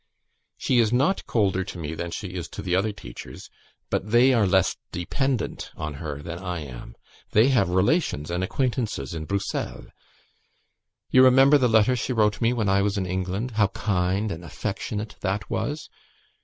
She is not colder to me than she is to the other teachers; but they are less dependent on her than I am. They have relations and acquaintances in Bruxelles. You remember the letter she wrote me, when I was in England? How kind and affectionate that was?